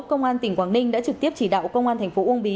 công an tỉnh quảng ninh đã trực tiếp chỉ đạo công an tp uông bí